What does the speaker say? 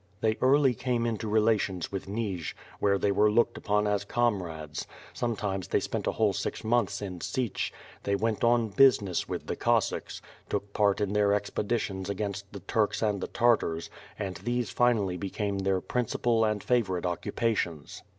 They early came into relations with Nij, where they were looked upon as comrades; sometimes they spent a whole six months in Sich; they went on ^'business" with the Cossacks, took part in their expeditions against the Turks and the Tartars, and these finally became their prin cipal and favorite occupations.